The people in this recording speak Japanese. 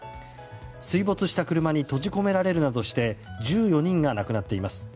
水没した車に閉じ込められるなどして１４人が亡くなっています。